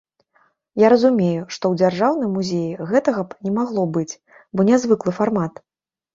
Я разумею, што ў дзяржаўным музеі гэтага б не магло быць, бо нязвыклы фармат.